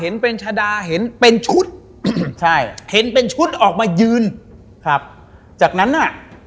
เห็นเป็นชะดาเห็นเป็นชุดใช่เห็นเป็นชุดออกมายืนครับจากนั้นน่ะ